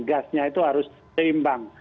gasnya itu harus terimbang